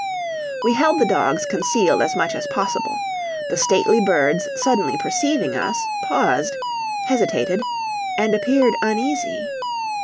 We held the dogs concealed as much as possible; the stately birds suddenly perceiving us, paused, hesitated, and appeared uneasy.